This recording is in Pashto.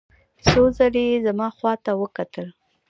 څو ځلې یې زما خواته وکتل.